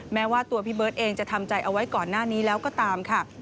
แม้ว่าตัวพี่เบิร์ตเองจะทำใจเอาไว้ก่อนหน้านี้แล้วก็ตามค่ะ